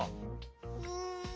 うん。